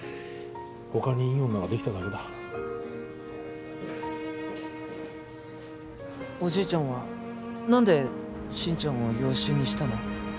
他にいい女ができただけだおじいちゃんは何で心ちゃんを養子にしたの？